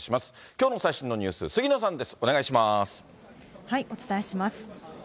きょうの最新のニュース、杉野さお伝えします。